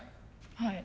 はい。